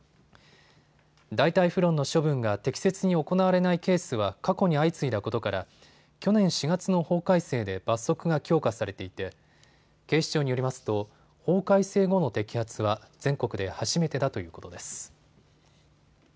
代替フロンの処分が適切に行われないケースは過去に相次いだことから去年４月の法改正で罰則が強化されていて警視庁によりますと法改正後の摘発は全国で初めてだということです。